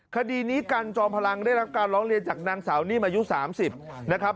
คดีนี้กันจอมพลังได้รับการร้องเรียนจากนางสาวนิ่มอายุ๓๐นะครับ